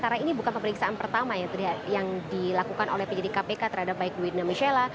karena ini bukan pemeriksaan pertama yang dilakukan oleh penyidik kpk terhadap baik duwina mishela